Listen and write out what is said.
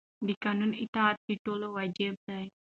د قانون اطاعت د ټولو وجیبه ده.